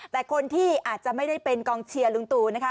แต่คนที่อาจจะไม่ได้เป็นกองเชียร์ลุงตูนะคะ